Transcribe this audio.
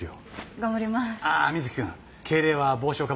頑張りまーす。